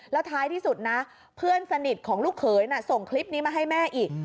แล้วท้ายที่สุดนะเพื่อนสนิทของลูกเขยน่ะส่งคลิปนี้มาให้แม่อีก